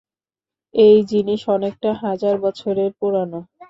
এই জিনিস অনেকটা হাজার বছরের পুরানো।